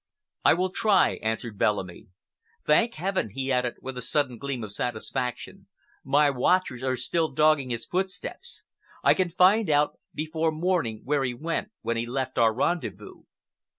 "I will try," answered Bellamy. "Thank Heaven!" he added, with a sudden gleam of satisfaction, "my watchers are still dogging his footsteps. I can find out before morning where he went when he left our rendezvous.